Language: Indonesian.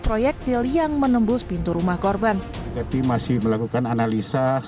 proyektil yang menembus pintu rumah korban tapi masih melakukan analisa